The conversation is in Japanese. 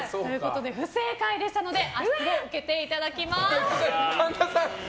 不正解でしたので罰を受けていただきます。